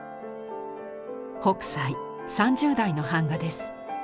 北斎３０代の版画です。